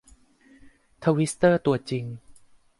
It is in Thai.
ทวิสเตอร์ ตัวจริง